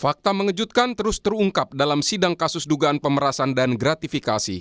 fakta mengejutkan terus terungkap dalam sidang kasus dugaan pemerasan dan gratifikasi